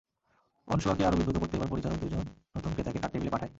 অনসূয়াকে আরও বিব্রত করতে এবার পরিচারক দুজন নতুন ক্রেতাকে তাঁর টেবিলে পাঠায়।